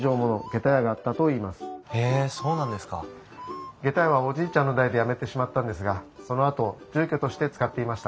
げた屋はおじいちゃんの代でやめてしまったんですがそのあと住居として使っていました。